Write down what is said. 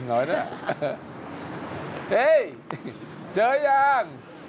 เฮ้ยเจอยัง